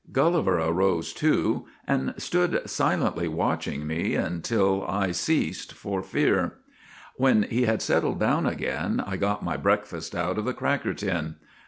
Gulli ver arose, too, and stood silently watching me until I ceased for fear. When he had settled down again I got my breakfast out of the cracker tin.